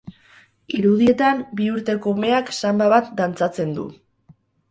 Irudietan bi urteko umeak sanba bat dantzatzen du.